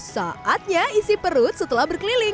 saatnya isi perut setelah berkeliling